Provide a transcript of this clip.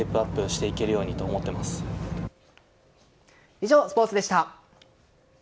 以上、スポーツでした。